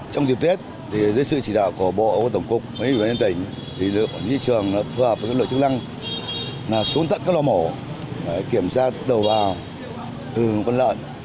trong dịp tiết dưới sự chỉ đạo của bộ tổng cục bộ trưởng trần tuấn anh lực dịp trường phù hợp với các đội chức năng xuống tận các loa mổ kiểm soát đầu vào từ con lợn